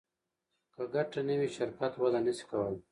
که ګټه نه وي شرکت وده نشي کولی.